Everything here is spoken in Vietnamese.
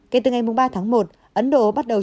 kể từ ngày ba tháng một ấn độ bắt đầu